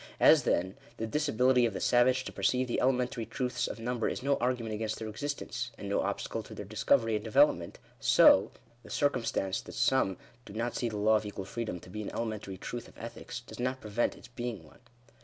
As, then, the disability of the savage to perceive the elementary truths of number is no argument against their existence, and no obstacle to their discovery and development, so, the circumstance that some do not see the law of equal freedom to be an elementary truth of ethics, does not prevent its being one.